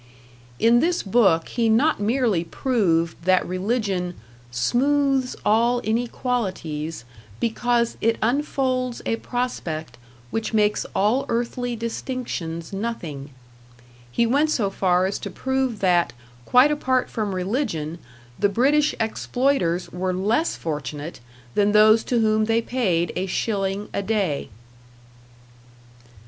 In this book he not merely proved that religion "smooths all inequalities, because it unfolds a prospect which makes all earthly distinctions nothing"; he went so far as to prove that, quite apart from religion, the British exploiters were less fortunate than those to whom they paid a shilling a day.